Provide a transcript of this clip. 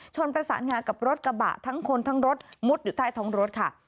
ประสานงากับรถกระบะทั้งคนทั้งรถมุดอยู่ใต้ท้องรถค่ะ